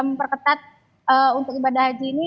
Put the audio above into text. memperketat untuk ibadah haji ini